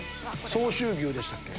相州牛でしたっけ？